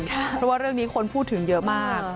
เพราะว่าเรื่องนี้คนพูดถึงเยอะมาก